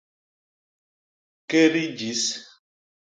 Kédi jis.